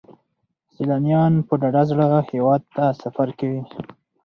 سیلانیان په ډاډه زړه هیواد ته سفر کوي.